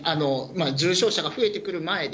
重症者が増えてくる前で。